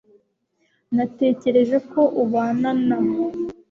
Natekereje ko ubana na